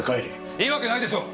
いいわけないでしょう！？